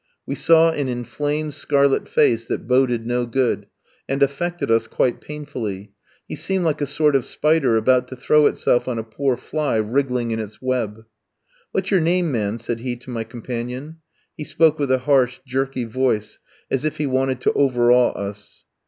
We saw an inflamed scarlet face that boded no good, and affected us quite painfully; he seemed like a sort of spider about to throw itself on a poor fly wriggling in its web. "What's your name, man?" said he to my companion. He spoke with a harsh, jerky voice, as if he wanted to overawe us.